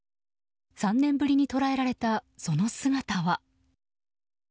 ３年ぶりに捉えられたその姿は。